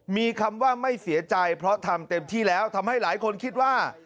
มีคำว่าไม่เสียใจเพราะทำเต็มที่แล้วทำให้หลายคนคิดว่า